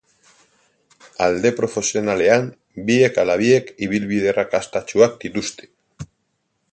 Alde profesionalean, biek ala biek ibilbide arrakastatsuak dituzte.